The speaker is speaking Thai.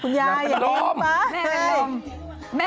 คุณยายอย่างนี้ป่ะแม่